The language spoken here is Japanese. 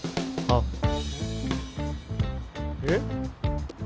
えっ？えっ？